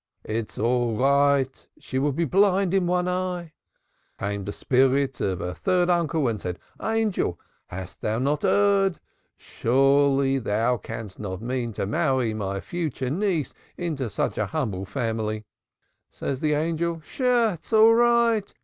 It is all right. She will be blind in one eye.' Came the spirit of her third uncle and said: 'Angel, hast thou not erred? Surely thou canst not mean to marry my future niece into such a humble family.' Said the Angel: 'Sh! It is all right.